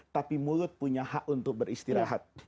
tapi mulut punya hak untuk beristirahat